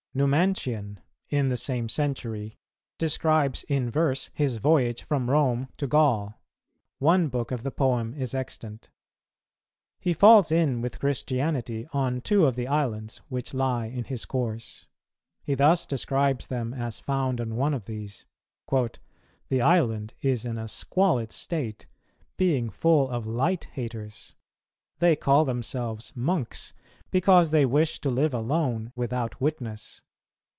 Numantian, in the same century, describes in verse his voyage from Rome to Gaul: one book of the poem is extant; he falls in with Christianity on two of the islands which lie in his course. He thus describes them as found on one of these: "The island is in a squalid state, being full of light haters. They call themselves monks, because they wish to live alone without witness.